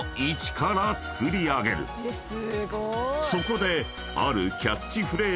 ［そこで］